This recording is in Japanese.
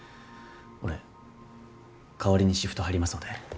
俺代わりにシフト入りますので。